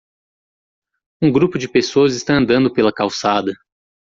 Um grupo de pessoas está andando pela calçada.